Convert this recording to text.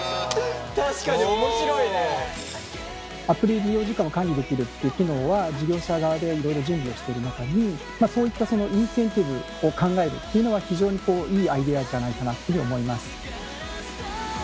確かに面白いね！っていう機能は事業者側でいろいろ準備をしている中にそういったインセンティブを考えるっていうのは非常にいいアイデアじゃないかなというふうに思います。